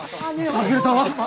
健さんは？